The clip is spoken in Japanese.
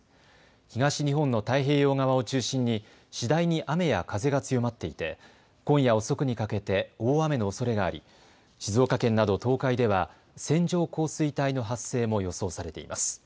東日本の太平洋側を中心に次第に雨や風が強まっていて今夜遅くにかけて大雨のおそれがあり静岡県など東海では線状降水帯の発生も予想されています。